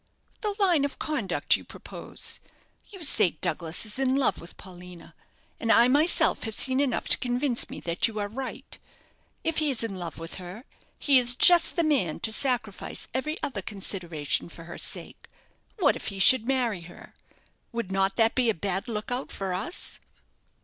"The line of conduct you propose. You say Douglas is in love with Paulina, and I myself have seen enough to convince me that you are right. If he is in love with her, he is just the man to sacrifice every other consideration for her sake. What if he should marry her? Would not that be a bad look out for us?"